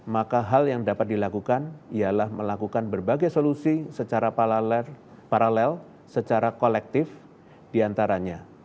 maka hal yang dapat dilakukan ialah melakukan berbagai solusi secara paralel secara kolektif diantaranya